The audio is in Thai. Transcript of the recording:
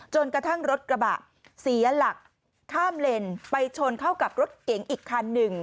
จนกระทั่งรถกระบะเสียหลักข้ามเลนไปชนเข้ากับรถเก๋งอีกคันหนึ่ง